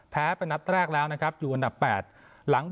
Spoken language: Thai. แพ้เป็นนัดแรกแล้วนะครับอยู่อันดับ๘